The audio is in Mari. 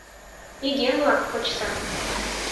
Игем-влак, почса!